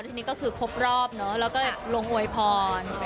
ทีนี้ก็คือครบรอบเนอะแล้วก็ลงอวยพร